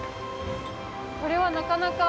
これはなかなか。